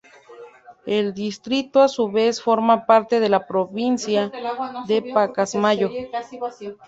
El distrito a su vez forma parte de la Provincia de Pacasmayo.